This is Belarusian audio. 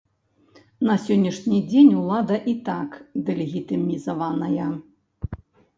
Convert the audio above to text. На сённяшні дзень улада і так дэлегітымізаваная.